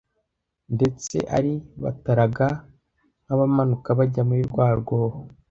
Ndetse ari bataraga nk’abamanuka bajya muri rwa rwobo,